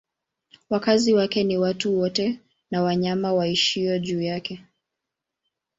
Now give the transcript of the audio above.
Wakazi wake ni watu wote na wanyama waishio juu yake.